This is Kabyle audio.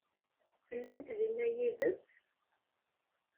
Llant dinna yid-s?